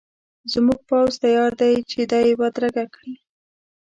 زموږ پوځ تیار دی چې دی بدرګه کړي.